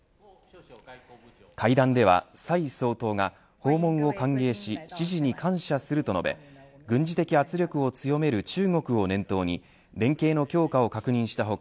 会談では蔡総統が訪問を歓迎し支持に感謝すると述べ軍事的圧力を強める中国を念頭に連携の強化を確認した他